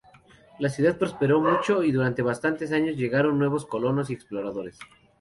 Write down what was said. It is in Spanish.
La ciudad prosperó mucho, y durante bastantes años llegaron nuevos colonos y exploradores.